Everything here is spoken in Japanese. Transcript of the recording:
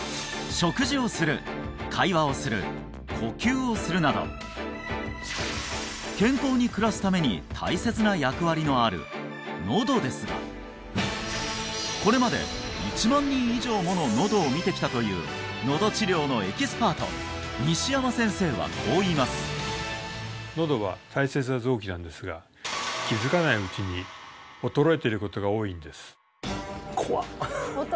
食事をする会話をする呼吸をするなど健康に暮らすために大切な役割のあるのどですがこれまで１万人以上もののどを診てきたというのど治療のエキスパート西山先生はこう言いますことが多いんです